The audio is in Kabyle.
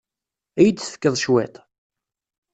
Ad iyi-d-tefkeḍ cwiṭ?